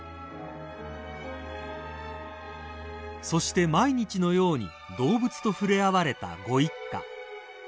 ［そして毎日のように動物と触れ合われたご一家］